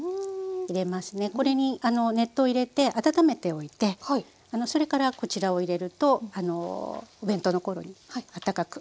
これに熱湯を入れて温めておいてそれからこちらを入れるとお弁当の頃に温かく飲める。